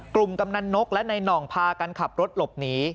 กลุ่มกำนันนกและนายน่องพากันขับรถหลบหนี